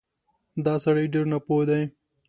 دا سړی ډېر ناپوه دی